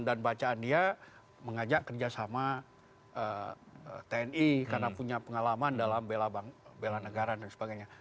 dan bacaan dia mengajak kerjasama tni karena punya pengalaman dalam bela negara dan sebagainya